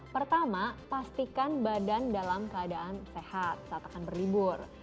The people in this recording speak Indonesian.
pertama pastikan badan dalam keadaan sehat saat akan berlibur